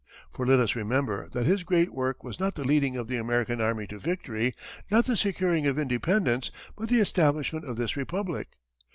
For let us remember that his great work was not the leading of the American army to victory, not the securing of independence, but the establishment of this Republic.